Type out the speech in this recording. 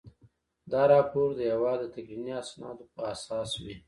دا راپور د هیواد د تقنیني اسنادو په اساس وي.